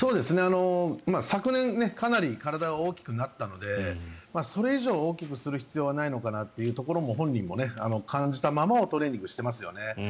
昨年かなり体が大きくなったのでそれ以上大きくする必要はないのかなというところは本人も感じたままをトレーニングをしていますよね。